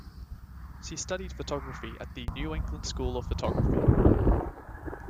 She studied photography at the New England School of Photography.